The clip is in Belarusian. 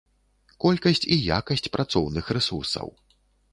Колькасць і якасць працоўных рэсурсаў.